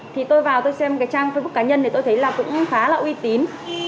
thì tôi vào tôi xem cái trang facebook cá nhân thì tôi thấy là cũng khá là uy tín